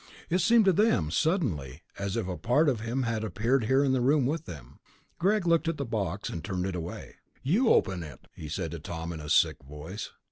It seemed to them, suddenly, as if a part of him had appeared here in the room with them. Greg looked at the box and turned away. "You open it," he said to Tom in a sick voice.